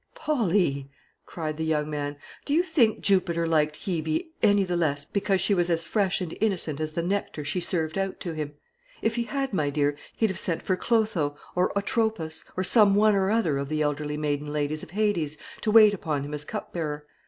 "Polly," cried the young man, "do you think Jupiter liked Hebe any the less because she was as fresh and innocent as the nectar she served out to him? If he had, my dear, he'd have sent for Clotho, or Atropos, or some one or other of the elderly maiden ladies of Hades, to wait upon him as cupbearer.